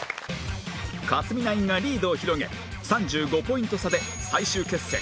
克実ナインがリードを広げ３５ポイント差で最終決戦